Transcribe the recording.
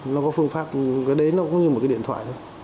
nó có phương pháp cái đấy nó cũng như một cái điện thoại thôi